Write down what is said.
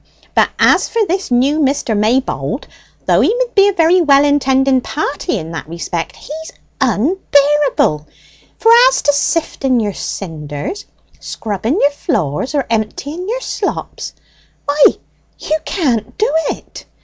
But as for this new Mr. Maybold, though he mid be a very well intending party in that respect, he's unbearable; for as to sifting your cinders, scrubbing your floors, or emptying your slops, why, you can't do it.